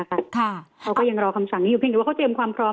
เขาก็ยังรอคำสั่งนี้อยู่เพียงแต่ว่าเขาเตรียมความพร้อม